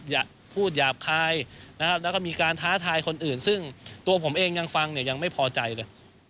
จะมีการท้าทายคนอื่นซึ่งตัวผมเองฟังยังไม่พอใจเลย